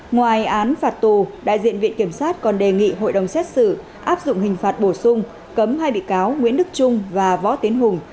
ngoài án phạt tù đại diện viện kiểm sát còn đề nghị hội đồng xét xử áp dụng hình phạt bổ sung cấm hai bị cáo nguyễn đức trung và võ tiến hùng